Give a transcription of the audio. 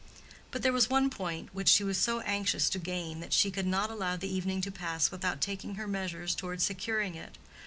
But there was one point which she was so anxious to gain that she could not allow the evening to pass without taking her measures toward securing it.